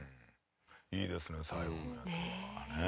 いいですね最後のねえ。